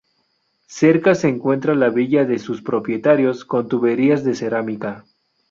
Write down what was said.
Cerca se encuentra la villa de sus propietarios, con tuberías de cerámica.